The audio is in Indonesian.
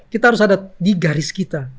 kita harus ada di garis kita